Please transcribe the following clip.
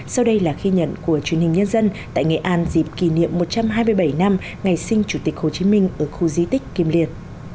sau đây là ghi nhận của truyền hình nhân dân tại nghệ an dịp kỷ niệm một trăm hai mươi bảy năm ngày sinh chủ tịch hồ chí minh ở khu di tích kim liên